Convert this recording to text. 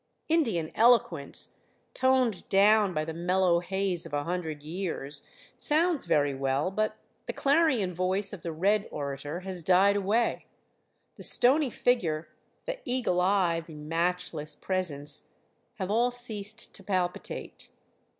Indian eloquence, toned down by the mellow haze of a hundred years, sounds very well, but the clarion voice of the red orator has died away. The stony figure, the eagle eye, the matchless presence, have all ceased to palpitate.